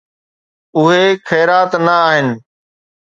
اهي خيرات نه آهن.